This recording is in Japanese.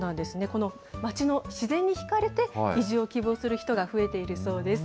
この町の自然に引かれて、移住を希望する人が増えているそうです。